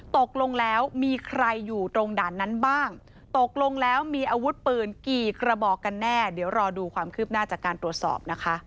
ตกลงแล้วมีใครอยู่ตรงด่านนั้นบ้างตกลงแล้วมีอาวุธปืนกี่กระบอกกันแน่เดี๋ยวรอดูความคืบหน้าจากการตรวจสอบนะคะ